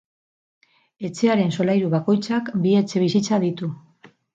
Etxearen solairu bakoitzak bi etxebizitza ditu.